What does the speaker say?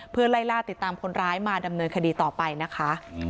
เพื่อไล่ล่าติดตามคนร้ายมาดำเนินคดีต่อไปนะคะ